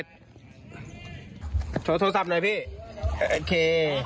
โทรศัพท์หน่อยพี่โอเค